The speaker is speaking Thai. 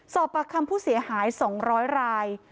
สอบปากคำผู้เสียหาย๒๐๐ราย